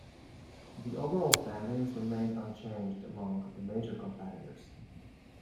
The overall standings remained unchanged among the major competitors.